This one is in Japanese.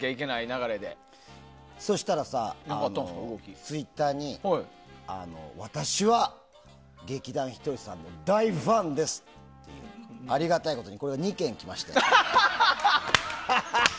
そしたらさ、ツイッターに私は劇団ひとりさんの大ファンですってありがたいことに２件来ました。